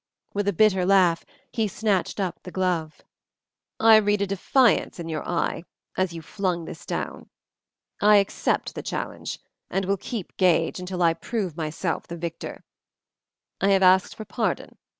With a bitter laugh he snatched up the glove. "I read a defiance in your eye as you flung this down. I accept the challenge, and will keep gage until I prove myself the victor. I have asked for pardon.